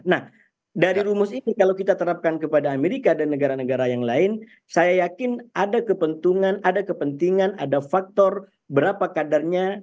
nah dari rumus ini kalau kita terapkan kepada amerika dan negara negara yang lain saya yakin ada kepentingan ada kepentingan ada faktor berapa kadarnya